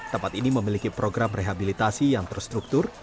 tempat ini memiliki program rehabilitasi yang terstruktur